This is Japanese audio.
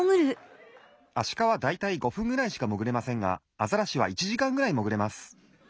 アシカはだいたい５ふんぐらいしかもぐれませんがアザラシは１じかんぐらいもぐれます。